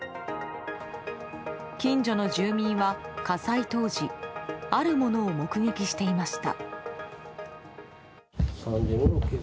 近所の住民は火災当時あるものを目撃していました。